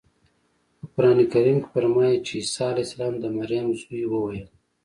په قرانکریم کې فرمایي چې عیسی د مریم زوی وویل.